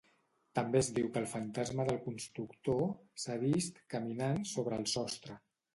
També es diu que el fantasma del constructor s'ha vist caminant sobre el sostre.